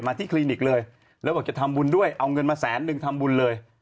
ที่คลินิกเลยแล้วบอกจะทำบุญด้วยเอาเงินมาแสนนึงทำบุญเลย